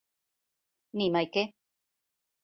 Ni mai que.